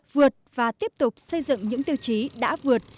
vượt và tiếp tục xây dựng những tiêu chí đã vượt